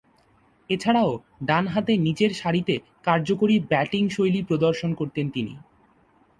এছাড়াও, ডানহাতে নিচেরসারিতে কার্যকরী ব্যাটিংশৈলী প্রদর্শন করতেন তিনি।